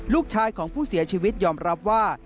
ลูกชายของผู้เสียชีวิตยอมรับว่า